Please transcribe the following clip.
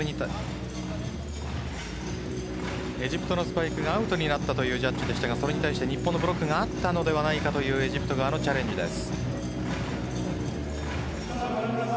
日本のスパイクが決まったというジャッジでしたがそれに対して日本のブロックがあったのではないかというチャレンジです。